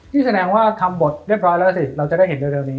นี่แสดงว่าทำบทเรียบร้อยแล้วสิเราจะได้เห็นเร็วนี้